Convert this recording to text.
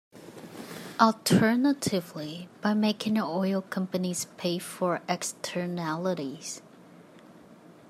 Alternatively, by making oil companies pay for externalities.